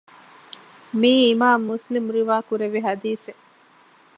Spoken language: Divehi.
މިއީ އިމާމު މުސްލިމު ރިވާކުރެއްވި ޙަދީޘެއް